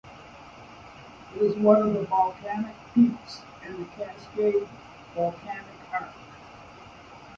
It is one of the volcanic peaks in the Cascade Volcanic Arc.